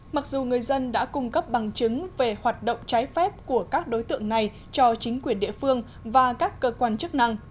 mặc dù người dân đã cung cấp bằng chứng về hoạt động trái phép của các đối tượng này cho chính quyền địa phương và các cơ quan chức năng